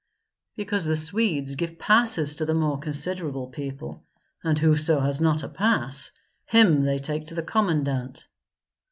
"Because the Swedes give passes to the more considerable people; and whoso has not a pass, him they take to the commandant."